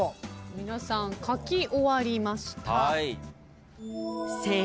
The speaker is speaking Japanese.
皆さん書き終わりました。